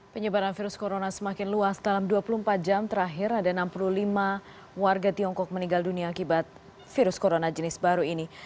penyebaran virus corona semakin luas dalam dua puluh empat jam terakhir ada enam puluh lima warga tiongkok meninggal dunia akibat virus corona jenis baru ini